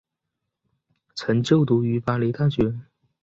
曾就读于巴黎大学。